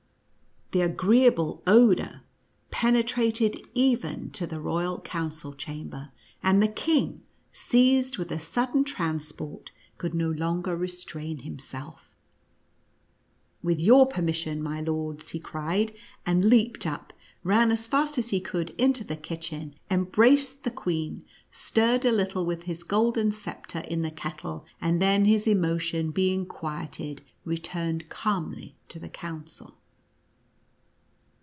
The agreeable odor penetrated even to the royal 60 NUTCRACKER AND 310 USE KING. council chamber, and the king, seized with a sudden transport, could no longer restrain him self, " With your permission, my lords," he cried, and leaped up, ran as fast as he could into the kitchen, embraced the queen, stirred a little with his golden sceptre in the kettle, and then his emotion being quieted, returned calmly to the council.